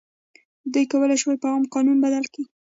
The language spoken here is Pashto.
دوی کولای شي په عام قانون بدل شي.